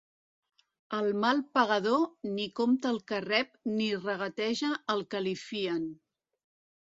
El mal pagador ni compta el que rep ni regateja el que li fien.